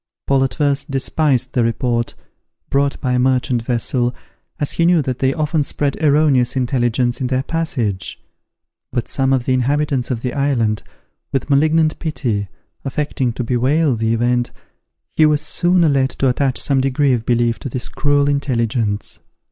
Paul at first despised the report, brought by a merchant vessel, as he knew that they often spread erroneous intelligence in their passage; but some of the inhabitants of the island, with malignant pity, affecting to bewail the event, he was soon led to attach some degree of belief to this cruel intelligence.